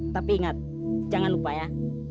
tapi ingat jangan lupa ya